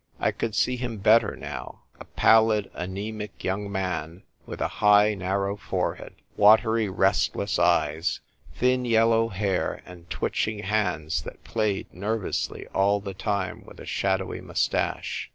I could see him better now — a pallid, anaemic young man, with a high narrow forehead, watery restless eyes, thin yellow hair, and twitching hands that played nervously all the time with a shadowy mous tache.